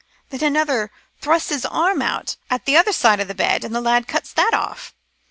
Then another thrusts his arm out at t' other side of t' bed, and t' lad cuts that off.